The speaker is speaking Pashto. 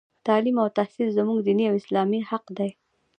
تـعلـيم او تحـصيل زمـوږ دينـي او اسـلامي حـق دى.